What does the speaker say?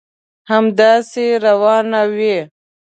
همداسي روانه وي.